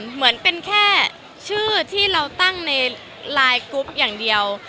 เหมือนเป็นแค่ชื่อที่เราตั้งในไลน์กรุ๊ปอย่างเดียว